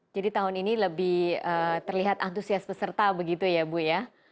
jadi tahun ini lebih terlihat antusias peserta begitu ya bu ya